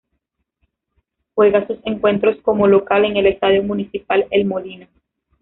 Juega sus encuentros como local en el Estadio Municipal El Molino.